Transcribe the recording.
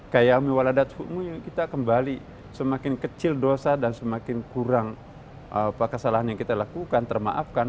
kayami waladat hu'mu kita kembali semakin kecil dosa dan semakin kurang kesalahan yang kita lakukan termaafkan